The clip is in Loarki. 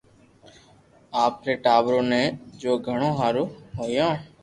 آپري ٽاٻرو ني جوگھڻو ھآرون ھويو